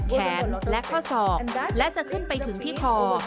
แขนและข้อศอกและจะขึ้นไปถึงที่คอ